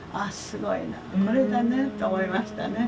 すごいなこれだねと思いましたね。